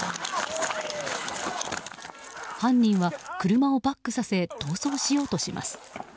犯人は車をバックさせ逃走しようとします。